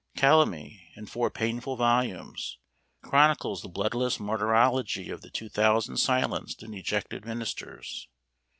Calamy, in four painful volumes, chronicles the bloodless martyrology of the two thousand silenced and ejected ministers.